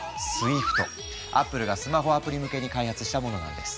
Ａｐｐｌｅがスマホアプリ向けに開発したものなんです。